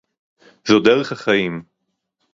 זוֹ דֶרֶךְ הַחַיִּים.